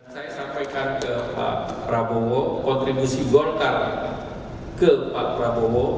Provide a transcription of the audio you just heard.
saya sampaikan ke pak prabowo kontribusi golkar ke pak prabowo